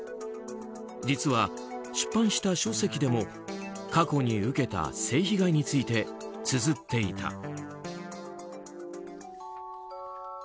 実は、出版した書籍でも過去に受けた性被害についてつづっていた。